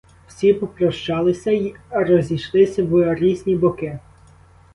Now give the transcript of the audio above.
Всі попрощалися й розійшлися в різні боки.